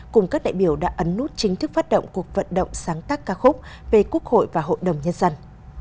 cùng các đại biểu đã ấn nút chính thức phát động cuộc vận động sáng tác ca khúc về quốc hội và hội đồng nhân dân